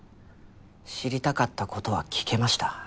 知りたかった事は聞けました。